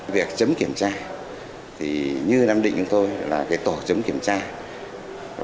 việc chấm kiểm tra thì như nam định chúng tôi là tổ chấm kiểm tra